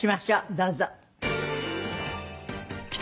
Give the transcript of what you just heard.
どうぞ。